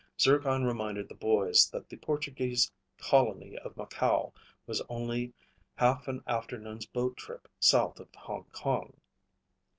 Zircon reminded the boys that the Portuguese colony of Macao was only half an afternoon's boat trip south of Hong Kong.